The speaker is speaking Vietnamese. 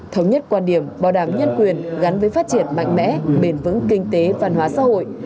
thống nhất quan điểm bảo đảm nhân quyền gắn với phát triển mạnh mẽ bền vững kinh tế văn hóa xã hội